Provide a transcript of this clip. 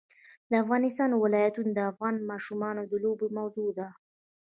د افغانستان ولايتونه د افغان ماشومانو د لوبو موضوع ده.